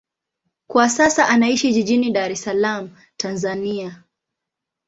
Kwa sasa anaishi jijini Dar es Salaam, Tanzania.